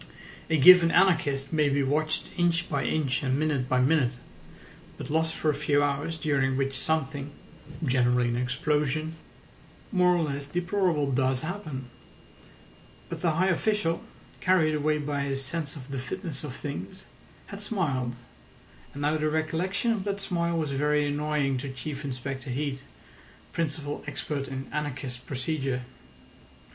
A given anarchist may be watched inch by inch and minute by minute, but a moment always comes when somehow all sight and touch of him are lost for a few hours, during which something (generally an explosion) more or less deplorable does happen. But the high official, carried away by his sense of the fitness of things, had smiled, and now the recollection of that smile was very annoying to Chief Inspector Heat, principal expert in anarchist procedure.